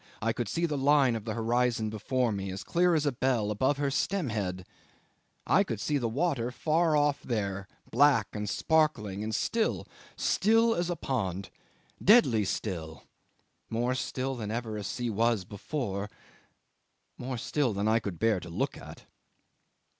"I could see the line of the horizon before me, as clear as a bell, above her stem head; I could see the water far off there black and sparkling, and still still as a pond, deadly still, more still than ever sea was before more still than I could bear to look at.